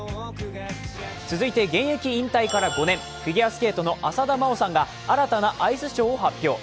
続いて現役引退から５年フィギュアスケートの浅田真央さんが新たなアイスショーを発表。